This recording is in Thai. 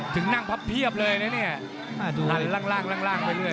ถึงนั่งพับเพียบเลยนะเนี่ยหันล่างไปเรื่อย